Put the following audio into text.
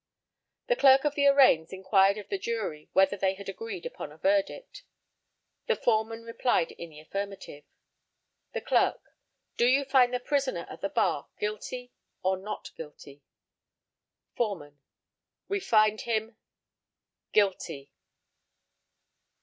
The Clerk of the Arraigns inquired of the jury whether they had agreed upon a verdict? The Foreman replied in the affirmative. The Clerk: Do you find the prisoner at the bar guilty or not guilty? Foreman: We find him =GUILTY.